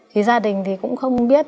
thì gia đình thì cũng không biết